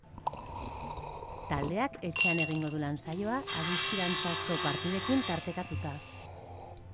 Taldeak etxean egingo du lan-saioak, adiskidantzazko partidekin tartekatuta.